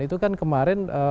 itu kan kemarin